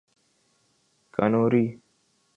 Khanauri